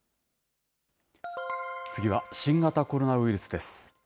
次は新型コロナウイルスです。